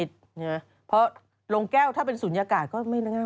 เพราะโรงแก้วถ้าเป็นศูนยากาศก็ไม่ง่าย